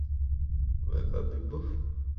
掉落者无奖金可得。